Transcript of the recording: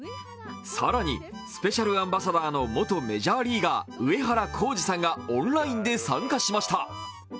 更に、スペシャルアンバサダーの元メジャーリーガー、上原浩治さんがオンラインで参加しました。